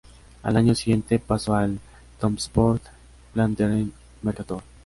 Al año siguiente pasó al Topsport Vlaanderen-Mercator.